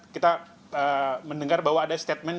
kita mendengar bahwa ada statement